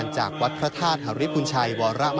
ร่วมกับกระทรวงวัฒนธรรม